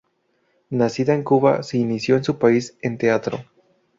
Nacida en Cuba, se inició en su país en teatro.